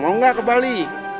mau gak ke bali